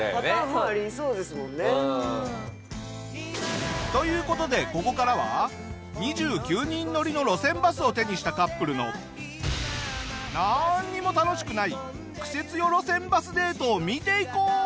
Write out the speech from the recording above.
パターンもありそうですもんね。という事でここからは２９人乗りの路線バスを手にしたカップルのなんにも楽しくないクセ強路線バスデートを見ていこう。